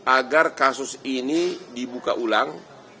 agar kasus ini dibuka ulang